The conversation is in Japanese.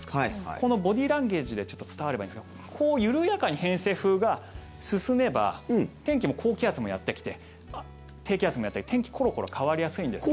このボディーランゲージでちょっと伝わればいいんですけど緩やかに偏西風が進めば天気も高気圧もやってきて低気圧もやってきて、天気がコロコロ変わりやすいんですが。